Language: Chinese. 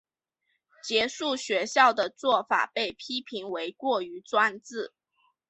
结束学校的做法被批评为过于专制。